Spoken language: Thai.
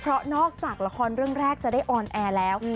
เพราะนอกจากละครเรื่องแรกจะได้ออนแอร์แล้ว